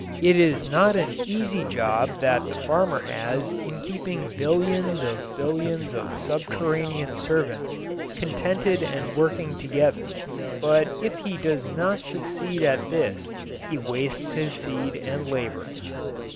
It is not an easy job that the farmer has in keeping billions of billions of subterranean servants contented and working together, but if he does not succeed at this he wastes his seed and labor.